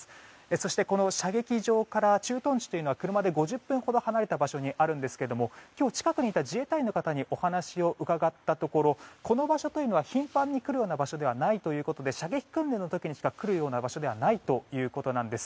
そして、この射撃場から駐屯地は車で５０分ほど離れたところにあるんですが今日、近くにいた自衛隊員の方にお話を伺ったところこの場所は頻繁に来るような場所ではないということで射撃訓練の時にしか来るような場所ではないということなんです。